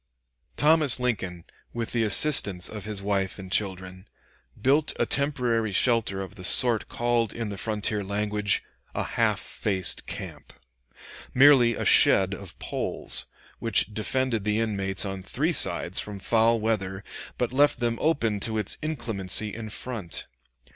Thomas Lincoln, with the assistance of his wife and children, built a temporary shelter of the sort called in the frontier language "a half faced camp"; merely a shed of poles, which defended the inmates on three sides from foul weather, but left them open to its inclemency in front.